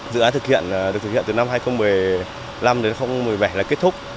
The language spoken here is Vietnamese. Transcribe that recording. dự án thực hiện được thực hiện từ năm hai nghìn một mươi năm đến hai nghìn một mươi bảy là kết thúc